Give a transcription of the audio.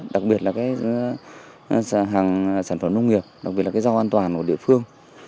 đặc biệt là hàng sản phẩm nông nghiệp đặc biệt là giao an toàn của địa phương